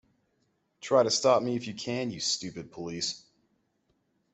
Try to stop me if you can you stupid police...